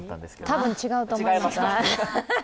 多分違うと思います。